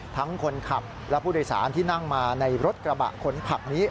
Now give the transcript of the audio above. ทั้งคนขับและผู้โดยสารที่นั่งมาในรถกระบะขนผักนี้